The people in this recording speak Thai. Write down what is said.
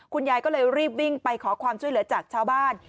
คุณยายก็เลยรีบวิ่งไปขอความช่วยเหลือจากชาวบ้าน